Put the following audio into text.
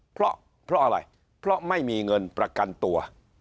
เพราะอะไรเพราะไม่มีเงินประกันตัว